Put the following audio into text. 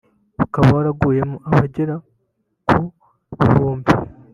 ukaba waraguyemo abagera ku bihumbi